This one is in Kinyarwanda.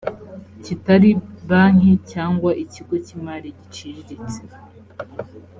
kitari banki cyangwa ikigo cy imari giciriritse